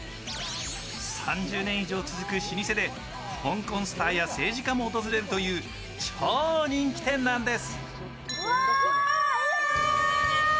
３０年以上続く老舗で香港スターや政治家も訪れるという超人気店なんです。